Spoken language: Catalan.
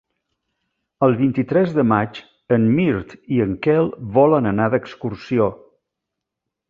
El vint-i-tres de maig en Mirt i en Quel volen anar d'excursió.